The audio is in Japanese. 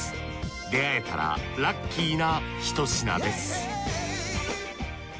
出会えたらラッキーなひと品です